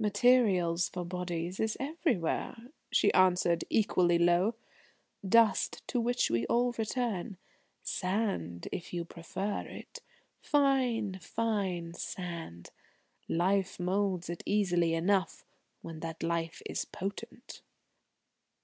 "Material for bodies is everywhere," she answered, equally low; "dust to which we all return; sand, if you prefer it, fine, fine sand. Life moulds it easily enough, when that life is potent."